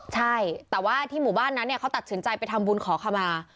ใช่แต่ว่าที่หมู่บ้านนั้นเนี่ยเขาตัดสินใจไปทำบุญขอขมา